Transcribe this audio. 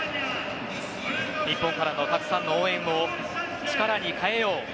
日本からのたくさんの応援を力に変えよう。